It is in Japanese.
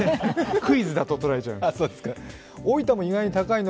クイズだと捉えちゃうので。